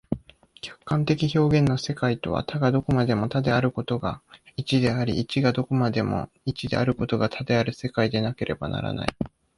客観的表現の世界とは、多がどこまでも多であることが一であり、一がどこまでも一であることが多である世界でなければならない。